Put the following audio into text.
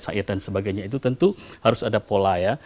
saya dan sebagainya itu tentu harus ada pola ya